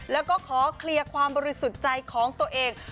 แล้วก็ขอเคลียร์ความบริสุทธิ์ใจของตัวเอง